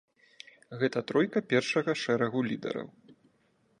Гэта тройка першага шэрагу лідараў.